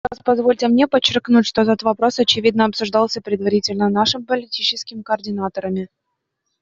Еще раз позвольте мне подчеркнуть, что этот вопрос, очевидно, обсуждался предварительно нашими политическими координаторами.